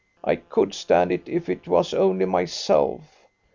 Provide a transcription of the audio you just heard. I could stand it if it was only myself.